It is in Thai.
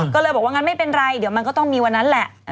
ก็เลยบอกว่างั้นไม่เป็นไรเดี๋ยวมันก็ต้องมีวันนั้นแหละ